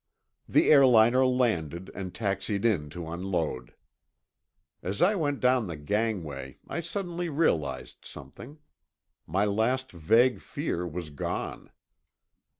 The airliner landed and taxied in to unload. As I went down the gangway I suddenly realized something. My last vague fear was gone.